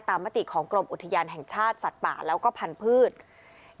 มติของกรมอุทยานแห่งชาติสัตว์ป่าแล้วก็พันธุ์